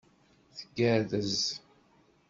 Tgerrez.